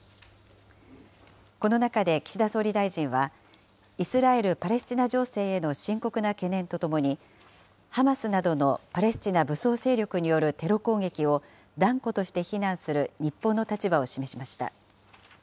この中で岸田総理大臣は、イスラエル・パレスチナ情勢への深刻な懸念とともに、ハマスなどのパレスチナ武装勢力によるテロ攻撃を断固として非難する日本の立場を示しました。